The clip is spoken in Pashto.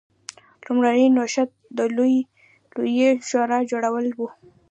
لومړنی نوښت د لویې شورا جوړول و